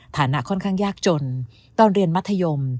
ฐานะค่อนข้างยากจนตอนเรียนมัธยม